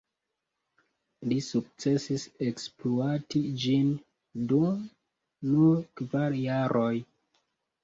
Li sukcesis ekspluati ĝin dum nur kvar jaroj.